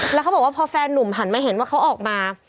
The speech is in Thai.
แล้วเขาบอกว่าพอแฟนหนุ่มหันมาเห็นว่าเขาออกมา